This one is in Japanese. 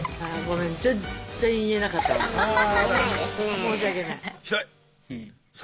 申し訳ない。